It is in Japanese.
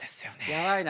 やばいな。